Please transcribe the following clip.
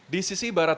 di sisi barat